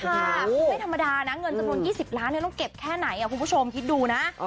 คือไม่ธรรมดานะเงินจำนวน๒๐ล้านต้องเก็บแค่ไหนคุณผู้ชมคิดดูนะ